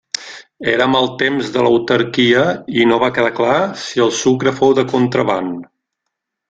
Érem al temps de l'autarquia i no va quedar clar si el sucre fou de contraban.